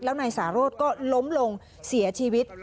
แล้วนายสาโรธก็ล้มลงเสียชีวิต